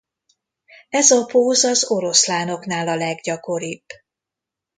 Ez a póz az oroszlánoknál a leggyakoribb.